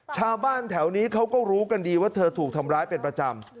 ชาวบ้านแถวนี้เขาก็รู้กันดีว่าเธอถูกทำร้ายเป็นประจำ